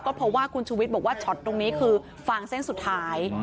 เพราะว่าคุณชูวิทย์บอกว่าช็อตตรงนี้คือฟางเส้นสุดท้าย